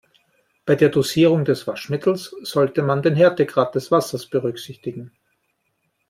Bei der Dosierung des Waschmittels sollte man den Härtegrad des Wassers berücksichtigen.